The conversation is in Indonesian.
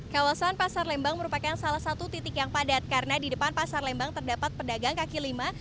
kawasan pasar lembang merupakan salah satu titik yang padat karena di depan pasar lembang terdapat pedagang kaki lima